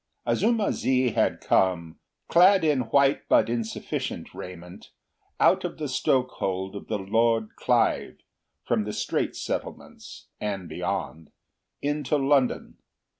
Azuma zi had come, clad in white but insufficient raiment, out of the stokehole of the Lord Clive, from the Straits Settlements, and beyond, into London.